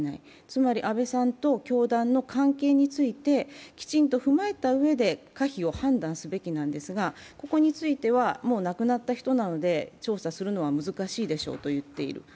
つまり安倍さんと教団の関係についてきちんと踏まえたうえで可否を判断すべきなんですが、ここについてはもう亡くなった人なので調査するのは難しいでしょうと言っている。